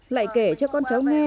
lại kể cho con cháu nghe